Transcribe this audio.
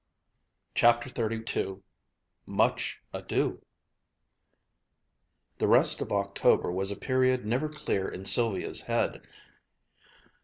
CHAPTER XXXII MUCH ADO ... The rest of October was a period never clear in Sylvia's head.